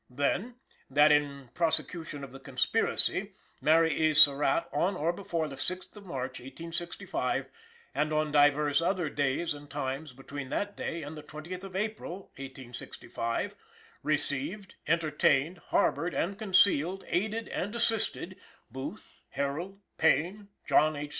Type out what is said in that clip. Then, "that, in prosecution of the conspiracy, Mary E. Surratt, on or before the 6th of March, 1865, and on divers other days and times between that day and the 20th of April, 1865, received, entertained, harbored and concealed, aided and assisted" Booth, Herold, Payne, John H.